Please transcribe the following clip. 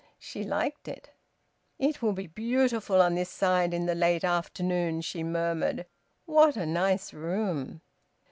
She liked it. "It will be beautiful on this side in the late afternoon," she murmured. "What a nice room!"